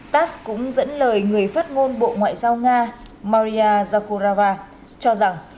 tass cũng dẫn lời người phát ngôn bộ ngoại giao nga maria zakurava cho rằng